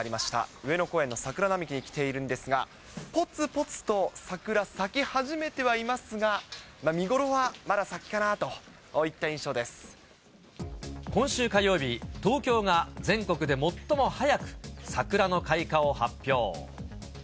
上野公園の桜並木に来ているんですが、ぽつぽつと桜、咲き始めてはいますが、見頃はまだ先かなといった今週火曜日、東京が全国で最も早く桜の開花を発表。